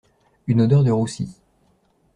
Une odeur de roussi.